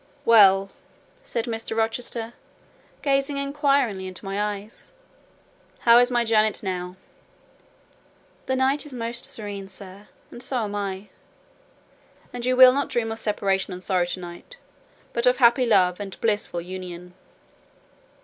"Well," said Mr. Rochester, gazing inquiringly into my eyes, "how is my Janet now?" "The night is serene, sir; and so am I." "And you will not dream of separation and sorrow to night; but of happy love and blissful union."